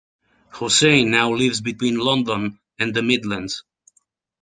Hossain now lives between London and the Midlands.